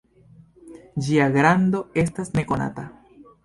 Ĝia grando estas nekonata.